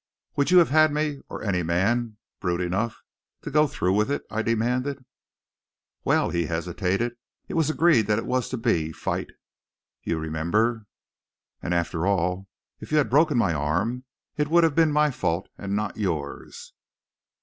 "Would you have had me, or any man, brute enough to go through with it?" I demanded. "Well" he hesitated "it was agreed that it was to be fight, you remember. And after all, if you had broken my arm, it would have been my fault and not yours."